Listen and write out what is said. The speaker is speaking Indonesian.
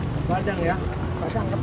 mau pulang kemana ini